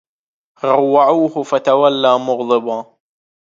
روعوه فتولى مغضبا